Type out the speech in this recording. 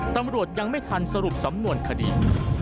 ตำรวจยังไม่ทันสรุปสำนวนคดี